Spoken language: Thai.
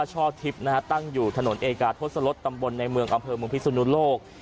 ช่อทิพย์นะฮะตั้งอยู่ถนนเอกาทศลศตำบลในเมืองอำเภอเมืองพิสุนุโลก